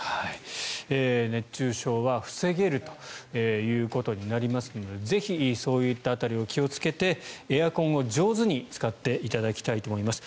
熱中症は防げるということになりますのでぜひそういった辺りを気をつけてエアコンを上手に使っていただきたいと思います。